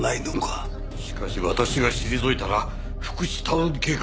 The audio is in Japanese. しかし私が退いたら福祉タウン計画は。